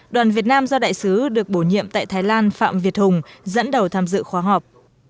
đoàn việt nam do đại sứ được bổ nhiệm tại thái lan phạm việt hùng dẫn đầu tham dự khóa học